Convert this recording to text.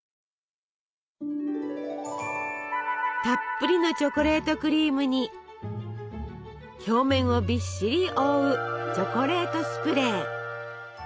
たっぷりのチョコレートクリームに表面をびっしり覆うチョコレートスプレー。